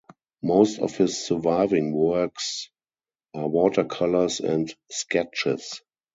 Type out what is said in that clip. Most of his surviving works are watercolors and sketches.